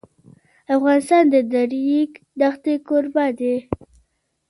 افغانستان د د ریګ دښتې کوربه دی.